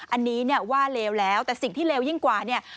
อันนี้เนี่ยว่าเลวแล้วแต่สิ่งที่เลวยิ่งกว่าเนี่ย